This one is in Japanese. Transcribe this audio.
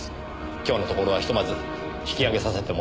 今日のところはひとまず引き上げさせてもらえませんか。